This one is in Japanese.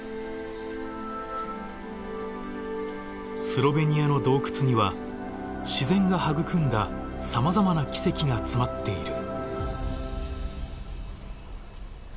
スロベニアの洞窟には自然が育んださまざまな奇跡が詰まっている。